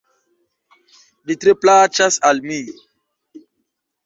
Ĝi tre plaĉas al mi.